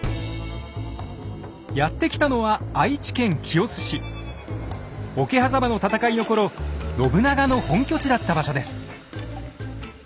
やって来たのは桶狭間の戦いの頃信長の本拠地だった場所です。